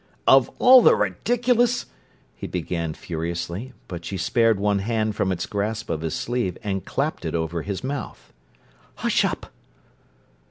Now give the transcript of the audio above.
"Of all the ridiculous—" he began furiously; but she spared one hand from its grasp of his sleeve and clapped it over his mouth. "Hush up!"